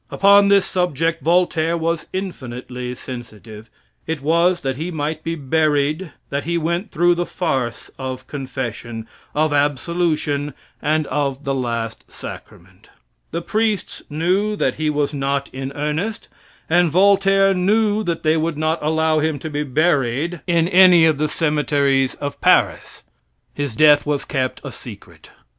Upon this subject Voltaire was infinitely sensitive. It was that he might be buried that he went through the farce of confession, of absolution, and of the last sacrament. The priests knew that he was not in earnest, and Voltaire knew that they would not allow him to be buried in any of the cemeteries of Paris. His death was kept a secret.